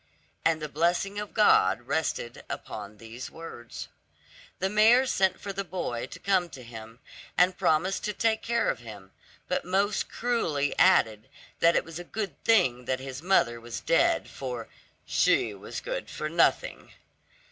And the blessing of God rested upon these words. The mayor sent for the boy to come to him, and promised to take care of him, but most cruelly added that it was a good thing that his mother was dead, for "she was good for nothing."